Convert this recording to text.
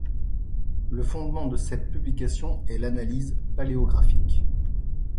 Le fondement de cette publication est l'analyse paléographique.